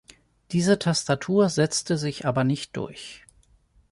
Diese Tastatur setzte sich aber nicht durch.